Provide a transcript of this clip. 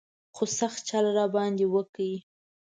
خو سخت چل یې را باندې وکړ.